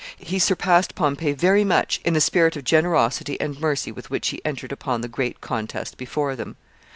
He surpassed Pompey very much in the spirit of generosity and mercy with which he entered upon the great contest before them.